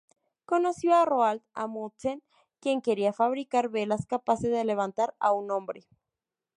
Conoció a Roald Amundsen, quien quería fabricar velas capaces de levantar a un hombre.